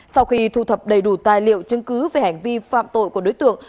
sau khi thu thập đầy đủ tài liệu chứng cứ về hành vi phạm tội của đối tượng